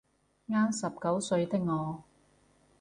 恰十九歲的我